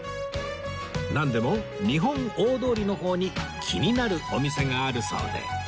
なんでも日本大通りの方に気になるお店があるそうで